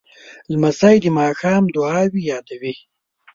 لمسی د ماښام دعاوې یادوي.